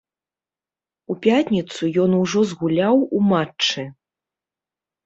У пятніцу ён ўжо згуляў у матчы.